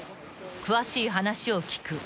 ［詳しい話を聞く］